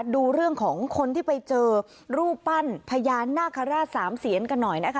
ดูเรื่องของคนที่ไปเจอรูปปั้นพญานาคาราชสามเสียนกันหน่อยนะคะ